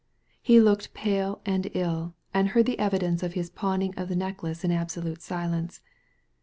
He looked pale and ill, and heard the evidence of his pawning of the necklace in absolute silence.